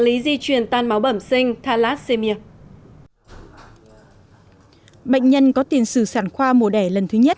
lý di truyền tan máu bẩm sinh thalassemia bệnh nhân có tiền sử sản khoa mùa đẻ lần thứ nhất